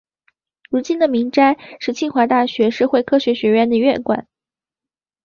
如今的明斋是清华大学社会科学学院的院馆。